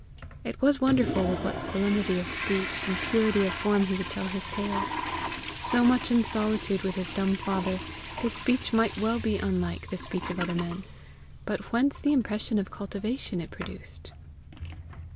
It was wonderful with what solemnity of speech, and purity of form he would tell his tales. So much in solitude with his dumb father, his speech might well be unlike the speech of other men; but whence the impression of cultivation it produced?